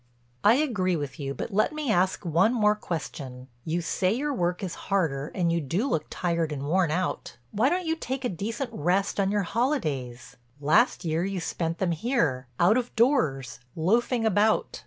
"I agree with you but let me ask one more question. You say your work is harder and you do look tired and worn out. Why don't you take a decent rest on your holidays? Last year you spent them here, out of doors, loafing about.